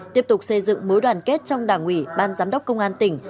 tiếp tục xây dựng mối đoàn kết trong đảng ủy ban giám đốc công an tỉnh